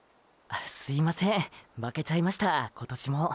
すいません負けちゃいました今年も。